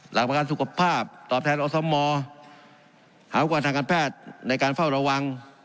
หลักประกันสุขภาพตอบแทนอสมหาอุปกรณ์ทางการแพทย์ในการเฝ้าระวัง